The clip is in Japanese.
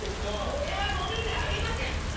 これはごみじゃありません。